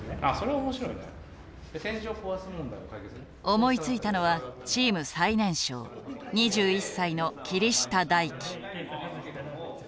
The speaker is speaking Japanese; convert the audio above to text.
思いついたのはチーム最年少２１歳の霧下大喜。